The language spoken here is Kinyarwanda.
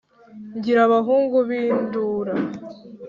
ngira abahungu b' indura,